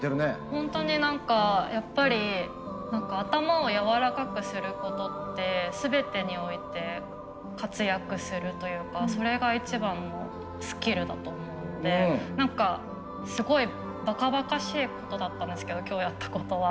ホントに何かやっぱり頭をやわらかくすることって全てにおいて活躍するというかそれが一番のスキルだと思うので何かすごいばかばかしいことだったんですけど今日やったことは。